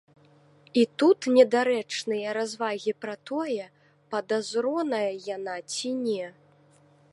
І тут недарэчныя развагі пра тое, падазроная яна ці не.